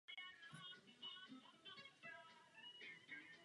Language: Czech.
Jednotlivé druhy se mezi sebou kříží a snadno vznikají nové kultivary.